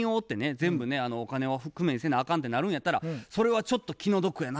全部ねお金を工面せなあかんってなるんやったらそれはちょっと気の毒やなとも思うんですよね。